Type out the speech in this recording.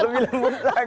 lebih lembut lagi